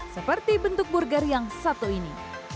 seperti bentuk burger yang satu ini